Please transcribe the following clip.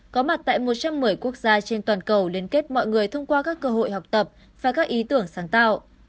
có mặt tại một trăm một mươi quốc gia trên toàn cầu liên kết mọi người thông qua các cơ hội học tập và các ý tưởng sáng tạo